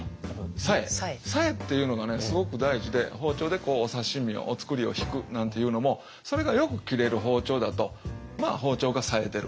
冴えっていうのがすごく大事で包丁でお刺身をお造りをひくなんていうのもそれがよく切れる包丁だと包丁が冴えてる。